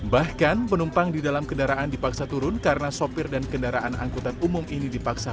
bahkan penumpang di dalam kendaraan dipaksa turun karena sopir dan kendaraan angkutan umum ini dipaksa